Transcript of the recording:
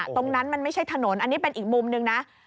ตรงนั้นมันไม่ใช่ถนนอันนี้เป็นอีกมุมหนึ่งนะ